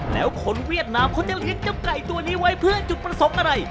แล้วคนเวียดนามเขาจะเลี้ยงเจ้าไก่ตัวนี้ไว้เพื่อจุดประสงค์อะไร